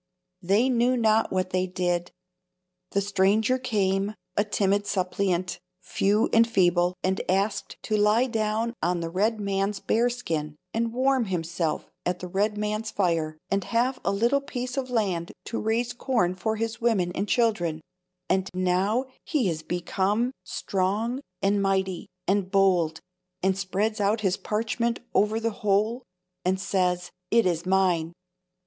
They knew not what they did. The stranger came, a timid suppliant, few and feeble, and asked to lie down on the red man's bear skin, and warm himself at the red man's fire, and have a little piece of land to raise corn for his women and children; and now he is become strong, and mighty, and bold, and spreads out his parchment over the whole, and says, 'It is mine.